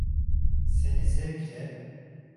Seni zevkle…